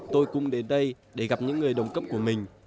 tôi cùng đến đây để gặp những người đồng cấp của mình